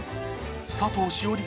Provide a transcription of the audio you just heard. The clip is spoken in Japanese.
佐藤栞里